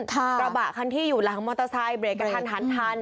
กระบะคันที่อยู่หลังมอเตอร์ไซค์เบรกกระทันหันทัน